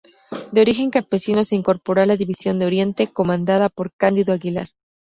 De origen campesino, se incorporó a la División de Oriente, comandada por Cándido Aguilar.